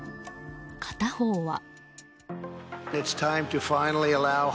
片方は。